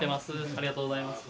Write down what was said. ありがとうございます。